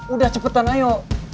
udah cepetan ayo